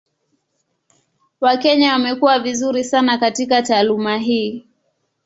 Wakenya wamekuwa vizuri sana katika taaluma hii.